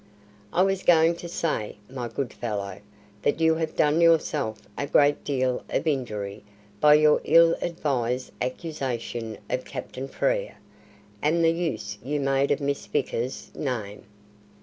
"I was going to say, my good fellow, that you have done yourself a great deal of injury by your ill advised accusation of Captain Frere, and the use you made of Miss Vickers's name."